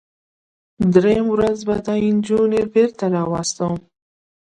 دریم روز به دا نجونې بیرته راواستوم.